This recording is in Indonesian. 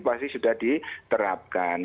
pasti sudah diterapkan